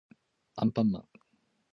あんぱんまん